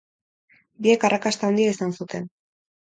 Biek arrakasta handia izan zuten.